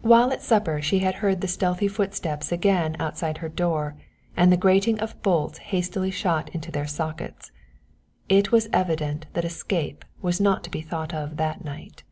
While at supper she had heard the stealthy footsteps again outside her door and the grating of bolts hastily shot into their sockets. It was evident that escape was not to be thought of that night.